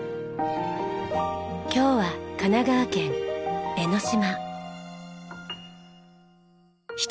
今日は神奈川県江の島。